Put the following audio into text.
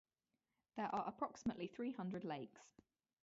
There are approximately three hundred lakes.